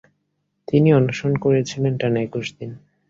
তিনি অনশন করেছিলেন টানা একুশ দিন।